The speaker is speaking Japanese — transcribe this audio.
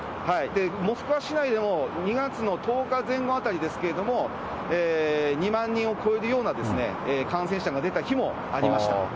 モスクワ市内でも、２月の１０日前後あたりですけれども、２万人を超えるような感染者が出た日もありました。